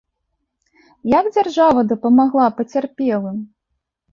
Як дзяржава дапамагла пацярпелым?